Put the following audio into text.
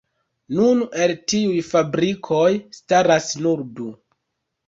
Nun el tiuj fabrikoj staras nur du.